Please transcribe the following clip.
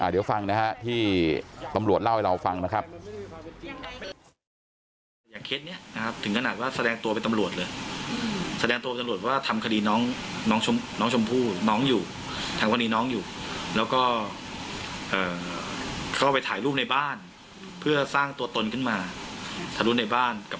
เดี๋ยวฟังนะฮะที่ตำรวจเล่าให้เราฟังนะครับ